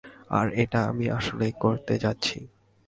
আর এটা আমি আসলেই করতে যাচ্ছি।